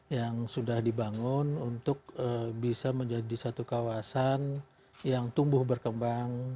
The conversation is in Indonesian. yang sudah dibangun untuk bisa menjadi satu kawasan yang tumbuh berkembang